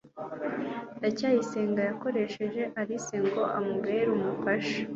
ndacyayisenga yakoresheje alice ngo amubere umufasha